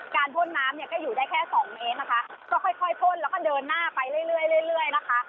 พ่นน้ำเนี่ยก็อยู่ได้แค่สองเมตรนะคะก็ค่อยค่อยพ่นแล้วก็เดินหน้าไปเรื่อยเรื่อยนะคะ